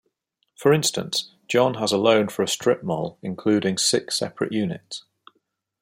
For instance, John has a loan for a strip mall including six separate units.